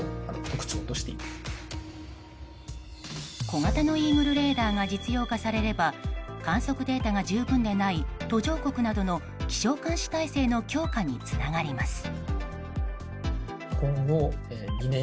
小型のＥＡＧＬＥレーダーが実用化されれば観測データが十分でない途上国などの気象監視体制の強化につながります。